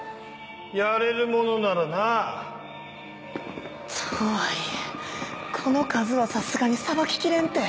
やれるものならなぁ！とはいえこの数はさすがにさばききれんて。